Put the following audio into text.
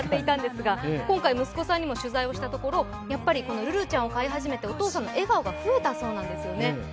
今回息子さんにも取材したところ、やっぱりるるちゃんを飼い始めてお父さんの笑顔が増えたそうなんですよね。